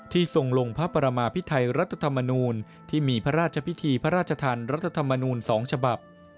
ทรงลงพระประมาพิไทยรัฐธรรมนูลที่มีพระราชพิธีพระราชธรรมรัฐธรรมนูล๒ฉบับ